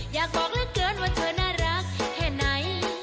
อยากบอกเหลือเกินว่าเธอน่ารักแค่ไหน